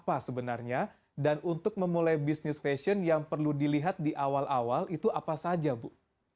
apa sebenarnya dan untuk memulai bisnis fashion yang perlu dilihat di awal awal itu apa saja bu